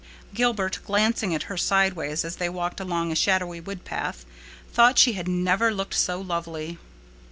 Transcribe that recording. Gilbert, glancing at her sideways as they walked along a shadowy woodpath, thought she had never looked so lovely.